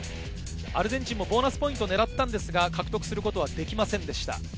アルゼンチンもボーナスポイントを狙ったのですが、獲得することはできませんでした。